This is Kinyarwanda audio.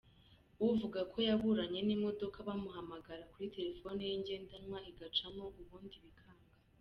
Uvuga ko yaburanye n’imodoka bamuhamagara kuri telefoni ye ngendanwa igacamo ubundi bikanga.